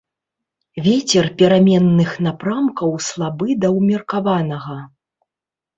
Вецер пераменных напрамкаў слабы да ўмеркаванага.